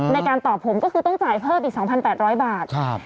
ในการตอบผมก็คือต้องจ่ายเพิ่มอีก๒๘๐๐บาท